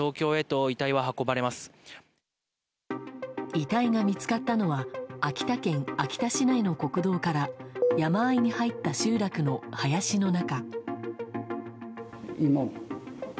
遺体が見つかったのは秋田県秋田市内の国道から山あいに入った集落の林の中。